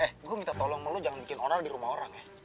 eh gua minta tolong sama lu jangan bikin orang di rumah orang ya